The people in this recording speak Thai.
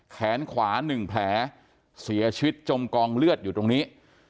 แขนขวา๑แผลเสียชีวิตจมกองเลือดอยู่ตรงนี้